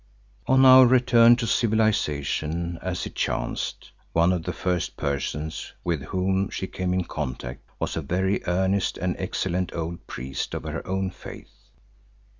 On our return to civilisation, as it chanced, one of the first persons with whom she came in contact was a very earnest and excellent old priest of her own faith.